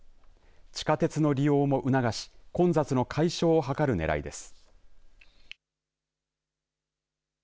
地下鉄の利用も促し混雑の解消を図るねらいです。